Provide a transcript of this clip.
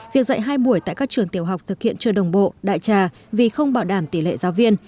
việc dạy hai buổi tại các trường tiểu học thực hiện chưa đồng bộ đại trà vì không bảo đảm tỷ lệ giáo viên